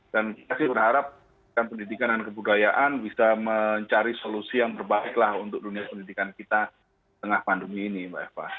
dan saya harap pendidikan dan kebudayaan bisa mencari solusi yang berbaiklah untuk dunia pendidikan kita tengah pandemi ini mbak eva